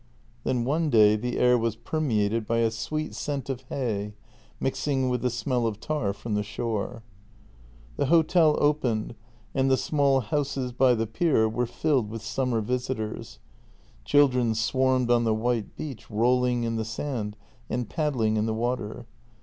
Then one day the air was permeated by a sweet scent of hay, mixing with the smell of tar from the shore. The hotel opened, and the small houses by the pier were filled with summer visitors; children swarmed on the white beach, rolling in the sand and paddling in the water.